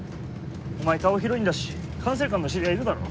お前顔広いんだし管制官の知り合いいるだろ？